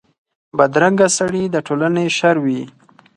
بدرنګه سړي د ټولنې شر وي